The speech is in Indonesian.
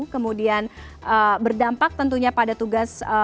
kemudian berdampak tentunya pada tugas